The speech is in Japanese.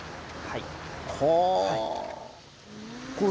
はい。